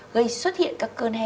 gây xuất hiện các cơn hen phế quản